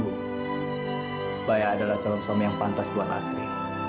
bu saya adalah calon suami yang pantas buat nasri